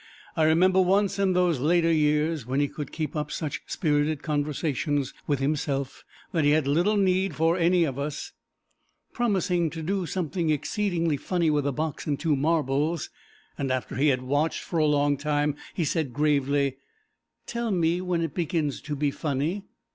I remember once in those later years, when he could keep up such spirited conversations with himself that he had little need for any of us, promising him to do something exceedingly funny with a box and two marbles, and after he had watched for a long time he said gravely, "Tell me when it begins to be funny."